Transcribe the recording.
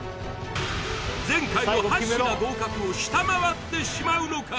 前回の８品合格を下回ってしまうのか？